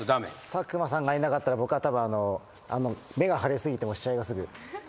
佐久間さんがいなかったら僕はたぶん目が腫れすぎて試合がすぐストップする感じですね。